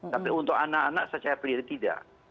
tapi untuk anak anak saya clear tidak